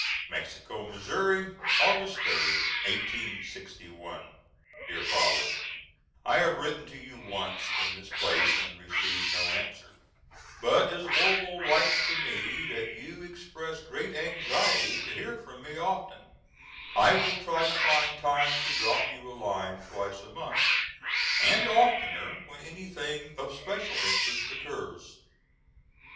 ] Mexico, Mo., Aug. 3d, 1861. DEAR FATHER: I have written to you once from this place and received no answer, but as Orvil writes to me that you express great anxiety to hear from me often, I will try to find time to drop you a line twice a month, and oftener when anything of special interest occurs.